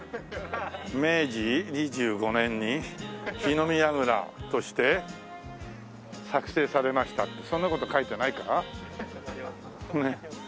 明治２５年に火の見櫓として作製されましたってそんな事書いてないかな？